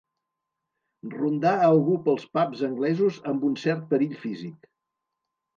Rondar algú pels pubs anglesos amb un cert perill físic.